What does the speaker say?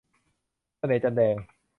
เสน่ห์จันทร์แดง